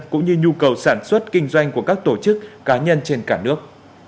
cũng như nhu cầu sản xuất kinh doanh của các tổ chức cá nhân trên cả nước